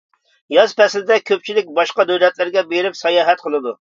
ياز پەسلىدە كۆپچىلىك باشقا دۆلەتلەرگە بېرىپ ساياھەت قىلىدۇ.